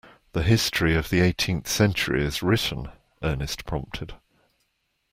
The history of the eighteenth century is written, Ernest prompted.